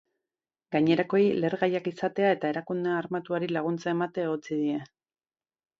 Gainerakoei lehergaiak izatea eta erakunde armatuari laguntza emate egotzi die.